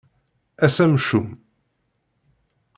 Ass amcum.